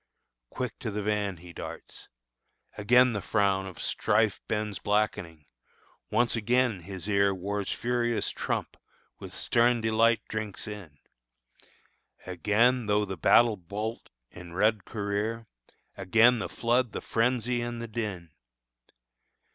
Quick to the van he darts. Again the frown Of strife bends blackening; once again his ear War's furious trump with stern delight drinks in; Again tho Battle Bolt in red career! Again the flood, the frenzy, and the din!